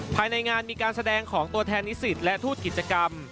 ภายในงานมีการแสดงของตัวแทนนิสิตและทูตกิจกรรม